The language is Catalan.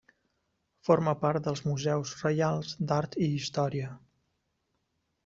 Forma part dels Museus Reials d'Art i Història.